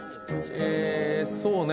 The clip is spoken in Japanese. えーそうね